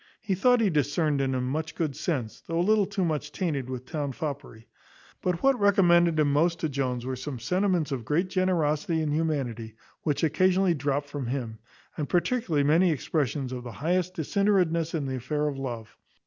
He thought he discerned in him much good sense, though a little too much tainted with town foppery; but what recommended him most to Jones were some sentiments of great generosity and humanity, which occasionally dropt from him; and particularly many expressions of the highest disinterestedness in the affair of love.